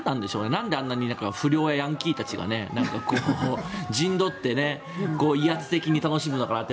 なんであんなに不良やヤンキーたちが陣取って威圧的に楽しんでいるのかなって。